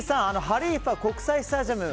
ハリーファ国際スタジアム